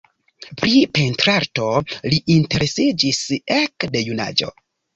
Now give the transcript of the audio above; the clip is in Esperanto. Pri pentrarto li interesiĝis ekde junaĝo.